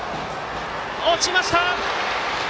落ちました！